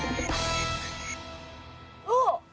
あっ！